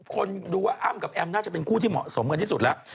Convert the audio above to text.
คนดูว่าอ้ำกับแอมน่าจะเป็นคู่ที่เหมาะสมกันที่สุดแล้ว